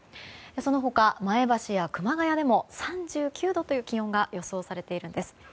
その他、前橋や熊谷でも３９度という気温が予想されているんです。